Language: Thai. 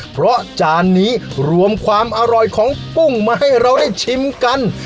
เพราะจานนี้รวมความอร่อยของกุ้งมาให้เราได้ชิมกัน